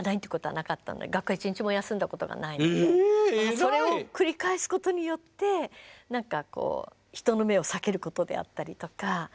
それを繰り返すことによって人の目を避けることであったりとか。